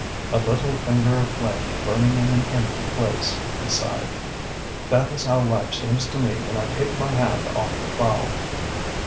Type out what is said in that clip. "A little finger of flame burning in an empty place," he sighed. "That is how life seems to me when I take my hand off the plough."